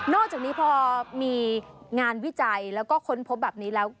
อกจากนี้พอมีงานวิจัยแล้วก็ค้นพบแบบนี้แล้ว